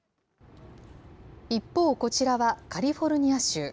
一方、こちらはカリフォルニア州。